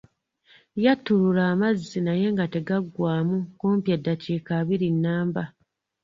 Yattulula amazzi naye nga tegaggwamu kumpi eddakiika bbiri nnamba.